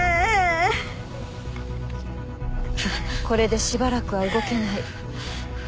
これでしばらくは動けない。